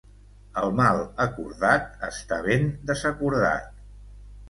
El mal acordat està ben desacordat.